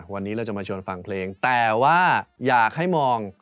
วันนี้เราจะมาชวนฟังเพลงแต่ว่าอยากให้มอง